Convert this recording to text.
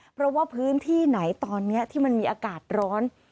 เพราะว่าพื้นที่ไหนตอนนี้ที่มันมีอากาศร้อน